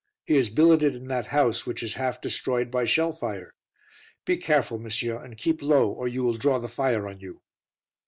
He is billeted in that house which is half destroyed by shell fire. Be careful, monsieur, and keep low, or you will draw the fire on you."